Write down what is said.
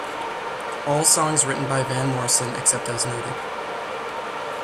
All songs written by Van Morrison except as noted.